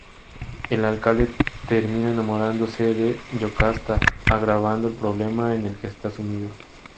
El alcalde termina enamorándose de Yocasta, agravando el problema en el que está sumido.